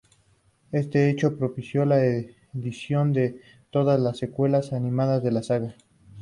Este hecho propició la edición de todas las secuelas animadas de la saga.